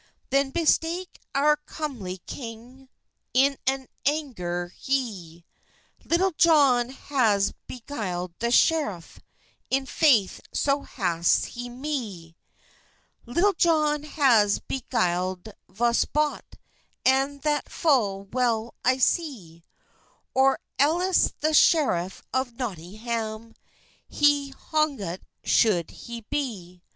Then bespake oure cumly kynge, In an angur hye, "Litulle Johne hase begyled the schereff, In faith so hase he me. "Litulle Johne has begyled vs bothe, And that fulle wel I se, Or ellis the schereff of Notyngham Hye hongut shuld he be.